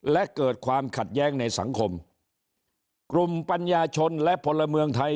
และเกิดความขัดแย้งในสังคมกลุ่มปัญญาชนและพลเมืองไทย